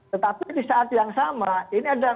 tetapi disaat yang sama ini ada